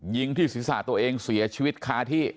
ยิงที่ศีรษะตัวเองเสียชีวิตคาที่